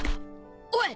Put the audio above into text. おい！